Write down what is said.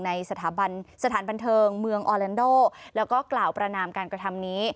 ในสถาบันสถานบันเทิงเมืองออแลนโดแล้วก็กล่าวประนามการกระทำนี้